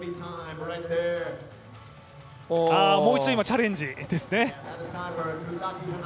もう一度チャレンジですね。